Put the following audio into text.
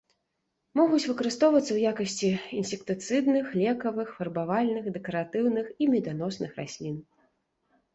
Могуць выкарыстоўвацца ў якасці інсектыцыдных, лекавых, фарбавальных, дэкаратыўных і меданосных раслін.